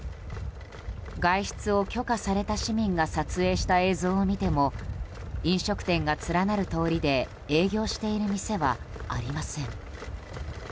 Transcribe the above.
外出を許可された市民が撮影した映像を見ても飲食店が連なる通りで営業している店はありません。